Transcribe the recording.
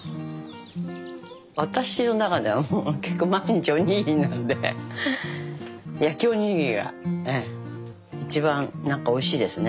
私の中ではもう結構毎日おにぎりなんで焼きおにぎりが一番なんかおいしいですね。